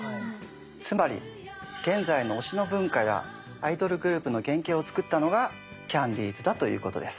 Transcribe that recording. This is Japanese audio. つまり現在の推しの文化やアイドルグループの原型を作ったのがキャンディーズだということです。